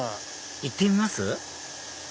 行ってみます？